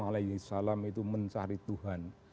alaihi salam itu mencari tuhan